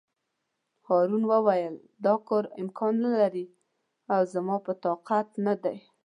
هارون وویل: دا کار امکان نه لري او زما په طاقت کې نه دی.